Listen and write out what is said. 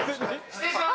失礼します。